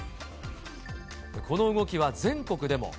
この動きは全国でも。